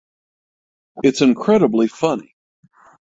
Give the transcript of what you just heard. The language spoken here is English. It’s incredibly funny.